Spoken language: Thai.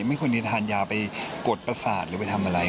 ไม่ควรจะทานยาไปกดประสาทหรือไปทำอะไร